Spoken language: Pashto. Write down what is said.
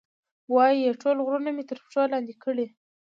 وایي، ټول غرونه مې تر پښو لاندې کړي.